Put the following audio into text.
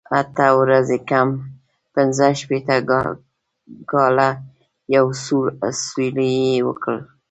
اته ورځې کم پنځه شپېته کاله، یو سوړ اسویلی یې وکړ.